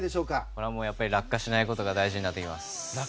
これは落下しないことが大事になってきます。